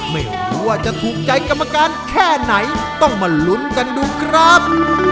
ไม่รู้ว่าจะถูกใจกรรมการแค่ไหนต้องมาลุ้นกันดูครับ